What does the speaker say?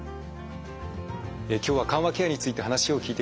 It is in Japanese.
今日は緩和ケアについて話を聞いてきました。